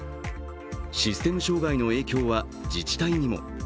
システム障害の影響は自治体にも。